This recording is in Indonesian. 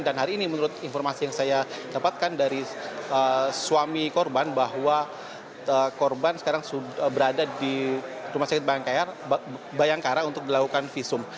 dan hari ini menurut informasi yang saya dapatkan dari suami korban bahwa korban sekarang berada di rumah sakit bayangkara untuk melakukan visum